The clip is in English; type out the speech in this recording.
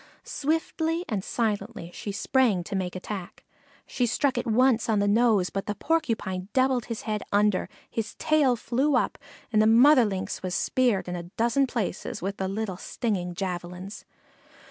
Swiftly and silently she sprang to make attack. She struck it once on the nose, but the Porcupine doubled his head under, his tail flew up, and the mother Lynx was speared in a dozen places with the little stinging javelins.